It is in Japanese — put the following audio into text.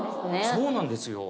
そうなんですよ